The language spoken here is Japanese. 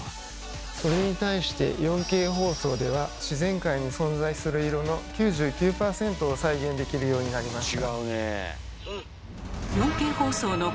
それに対して４Ｋ放送では自然界に存在する色の９９％を再現できるようになりました。